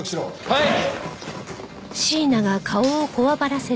はい！